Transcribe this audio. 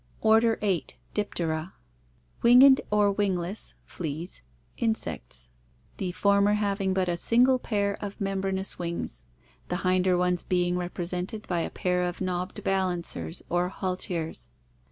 Order 8. Diptera. Winged or wingless (fleas) insects, the former hav ing but a single pair of membranous wings, the hinder ones being rep resented by a pair of knobbed balancers or halteres.